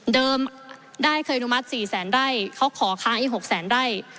ได้เคยอนุมัติ๔แสนไร่เขาขอค้างอีก๖แสนไร่